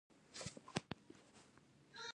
د دیجیټل پښتو ټولنې د انسټیټوت له رهبرۍ مننه وکړه.